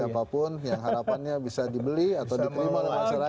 siapapun yang harapannya bisa dibeli atau diterima oleh masyarakat